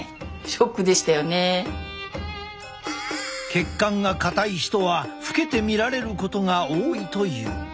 血管が硬い人は老けて見られることが多いという。